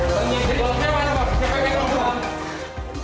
kedua kelompok saling serang menggunakan batu